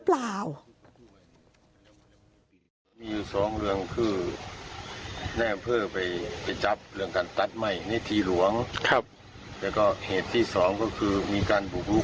เลยมาทำแบบนี้หรือเปล่า